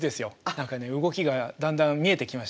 何かね動きがだんだん見えてきましたよ。